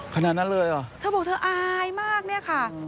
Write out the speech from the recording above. คณะนั้นเลยเหรอเธอบอกอายมากนี่ค่ะ